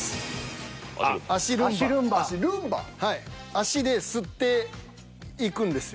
足で吸っていくんですよ。